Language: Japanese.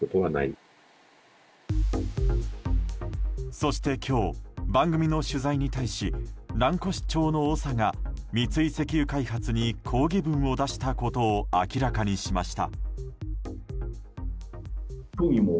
そして今日、番組の取材に対し蘭越町の長が三井石油開発に抗議文を出したことを明らかにしました。